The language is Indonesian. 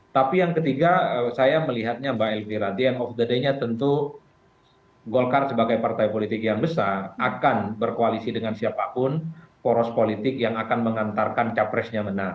tapi yang ketiga saya melihatnya mbak elvira dia yang of the day nya tentu golkar sebagai partai politik yang besar akan berkoalisi dengan siapapun poros politik yang akan mengantarkan capresnya menang